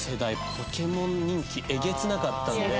ポケモン人気えげつなかったんで。